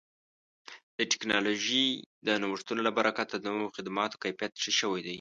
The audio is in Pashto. د ټکنالوژۍ د نوښتونو له برکته د نوو خدماتو کیفیت ښه شوی دی.